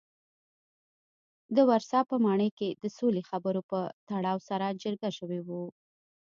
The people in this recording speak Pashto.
د ورسا په ماڼۍ کې د سولې خبرو په تړاو سره جرګه شوي وو.